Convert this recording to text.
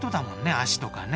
脚とかね。